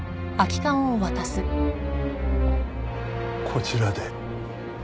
こちらで。